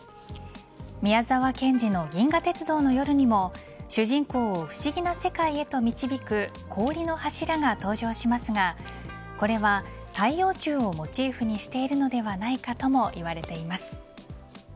宮沢賢治の、銀河鉄道の夜にも主人公を不思議な世界へと導く氷の柱が登場しますがこれは、太陽柱をモチーフにしているのではないかともいわれています。